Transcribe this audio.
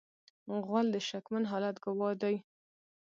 غول د شکمن حالت ګواه دی.